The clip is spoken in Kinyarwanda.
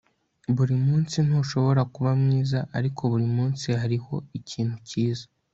buri munsi ntushobora kuba mwiza ariko buri munsi hariho ikintu cyiza